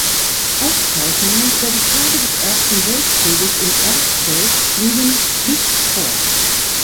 Aufzeichnungen über die Tage des Ersten Weltkrieges in Ersfeld liegen nicht vor.